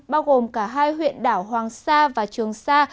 bao gồm cả hai huyện đảo hoàng sa và trường sa